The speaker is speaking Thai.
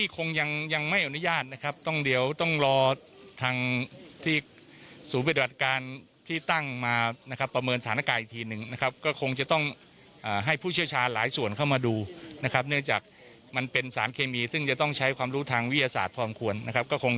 ก็จะยังไม่เปิดพื้นที่นะครับ